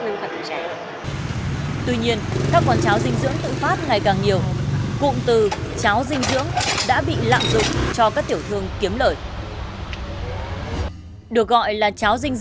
nhưng không phải là cháo dinh dưỡng của các tiểu thương kiếm lợi